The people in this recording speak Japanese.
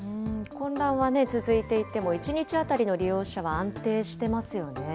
混乱は続いていても１日当たりの利用者は安定してますよね。